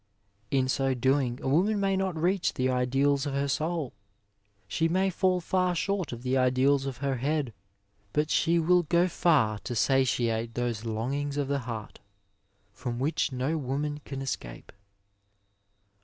In so doing a woman may not reach the ideals of her soul ; she may iaSl far short of the ideals of her head, but she will go far to satiate those longings of the heart from which no woman can escape.